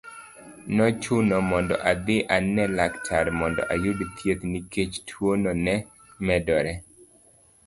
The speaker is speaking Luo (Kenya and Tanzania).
Nochuna mondo adhi ane laktar, mondo ayud thieth nikech tuono ne medore.